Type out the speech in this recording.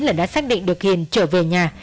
là đã xác định được hiền trở về nhà